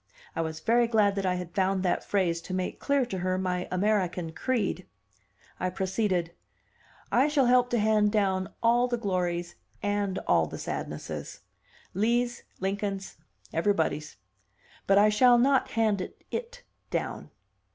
I was very glad that I had found that phrase to make clear to her my American creed. I proceeded. "I shall help to hand down all the glories and all the sadnesses; Lee's, Lincoln's, everybody's. But I shall not hand 'it' down."